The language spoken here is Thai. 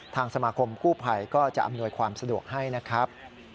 ทางสมาคมกู้ภัยก็จะอำนวยความสะดวกให้นะครับ